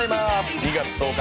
２月１０日